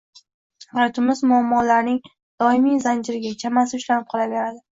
hayotimiz muammolarning doimiy zanjiriga, chamasi, ulanib qolaveradi.